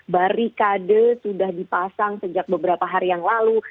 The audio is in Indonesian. barikade sudah dipasang sejak beberapa hari yang lalu